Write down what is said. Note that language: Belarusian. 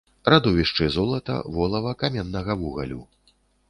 Радовішчы золата, волава, каменнага вугалю.